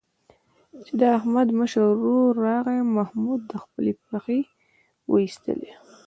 چې د احمد مشر ورور راغی، محمود خپلې پښې وایستلې.